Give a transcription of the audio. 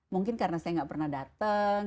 mungkin karena saya nggak pernah datang